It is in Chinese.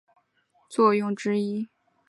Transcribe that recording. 弱相互作用是四种基本相互作用之一。